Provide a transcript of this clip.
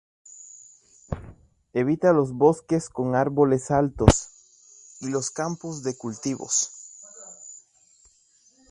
Evita los bosques con árboles altos y los campos de cultivo.